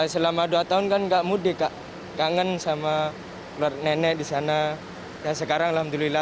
selama dua tahun kan enggak mudik kak kangen sama keluarga nenek di sana ya sekarang alhamdulillah